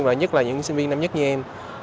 và nhất là những sinh viên năm nhất như em